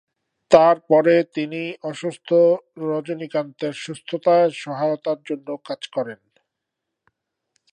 তারপরে তিনি অসুস্থ রজনীকান্তের সুস্থতায় সহায়তার জন্য কাজ করেন।